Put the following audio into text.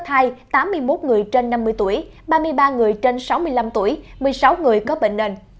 tám mươi một người trên năm mươi tuổi ba mươi ba người trên sáu mươi năm tuổi một mươi sáu người có bệnh nền